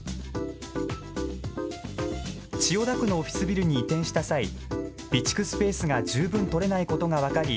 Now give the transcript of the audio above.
千代田区のオフィスビルに移転した際、備蓄スペースが十分とれないことが分かり